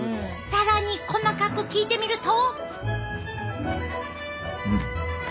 更に細かく聞いてみると。